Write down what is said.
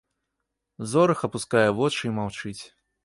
Зорах апускае вочы і маўчыць.